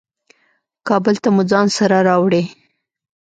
کابل ته مو ځان سره راوړې.